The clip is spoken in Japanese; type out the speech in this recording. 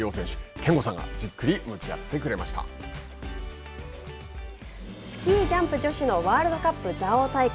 憲剛さんがスキージャンプ女子のワールドカップ蔵王大会。